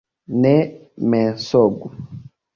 Ne mensogu!